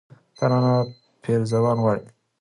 ، ته رانه پېزوان غواړې